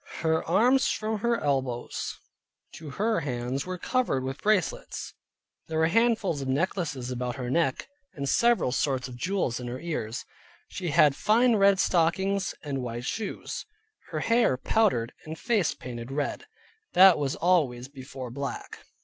Her arms from her elbows to her hands were covered with bracelets; there were handfuls of necklaces about her neck, and several sorts of jewels in her ears. She had fine red stockings, and white shoes, her hair powdered and face painted red, that was always before black.